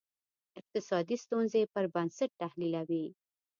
اقتصادي ستونزې پر بنسټ تحلیلوي.